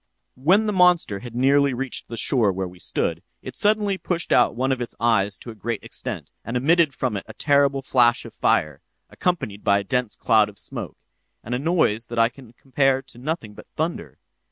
"'When the monster had nearly reached the shore where we stood, it suddenly pushed out one of its eyes to a great extent, and emitted from it a terrible flash of fire, accompanied by a dense cloud of smoke, and a noise that I can compare to nothing but thunder.